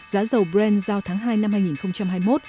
giá dầu brent giao tháng hai năm hai nghìn hai mươi một